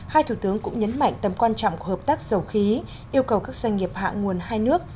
hai thủ tướng cũng nhấn mạnh tầm quan trọng của hợp tác dầu khí yêu cầu các doanh nghiệp hạ nguồn hai nước